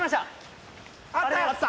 あった！